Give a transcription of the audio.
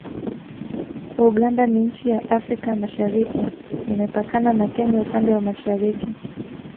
Uganda ni nchi ya Afrika ya Mashariki Imepakana na Kenya upande wa mashariki